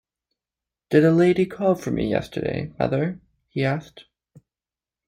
“Did a lady call for me yesterday, mother?” he asked.